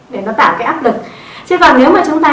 để nó tạo cái áp lực chứ còn nếu mà chúng ta